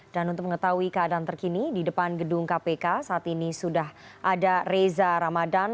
dan untuk mengetahui keadaan terkini di depan gedung kpk saat ini sudah ada reza ramadan